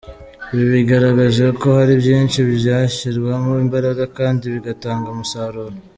Ibi bigaragaje ko hari byinshi byashyirwamo imbaraga kandi bigatanga umusaruro.